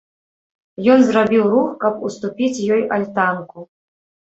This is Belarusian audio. Ён зрабіў рух, каб уступіць ёй альтанку.